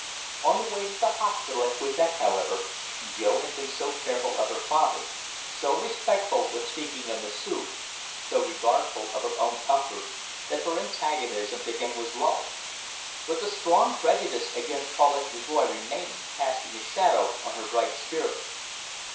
On the way to the hospital at Quebec, however, Jo had been so careful of her father, so respectful when speaking of M'sieu', so regardful of her own comfort, that her antagonism to him was lulled. But the strong prejudice against Paulette Dubois remained, casting a shadow on her bright spirit.